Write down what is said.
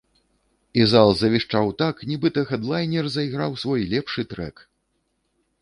І зал завішчаў так, нібыта хэдлайнер зайграў свой лепшы трэк.